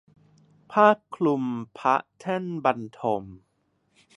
ผ้าคลุมพระแท่นบรรทม